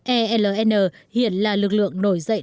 eln hiện là lực lượng nổi dậy